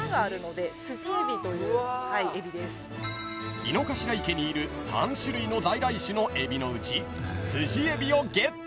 ［井の頭池にいる３種類の在来種のエビのうちスジエビをゲット］